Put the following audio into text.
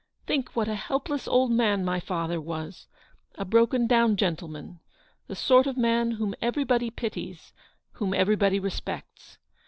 Think what a helpless old man my father was ; a broken down gentleman ; the sort of man whom every body pities, whom everybody respects.